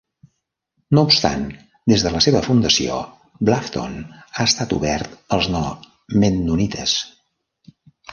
No obstant, des de la seva fundació, Bluffton ha estat obert als no mennonites.